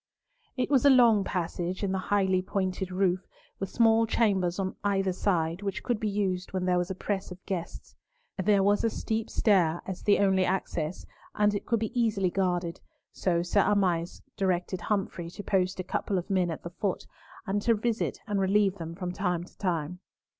It was a long passage, in the highly pointed roof, with small chambers on either side which could be used when there was a press of guests. There was a steep stair, as the only access, and it could be easily guarded, so Sir Amias directed Humfrey to post a couple of men at the foot, and to visit and relieve them from time to time.